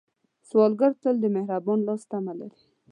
سوالګر تل د مهربان لاس تمه لري